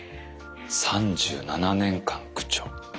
３７年間区長。